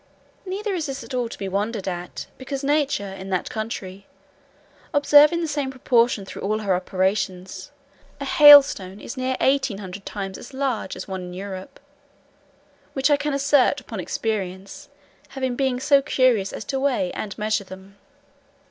Neither is this at all to be wondered at, because nature, in that country, observing the same proportion through all her operations, a hailstone is near eighteen hundred times as large as one in Europe; which I can assert upon experience, having been so curious as to weigh and measure them.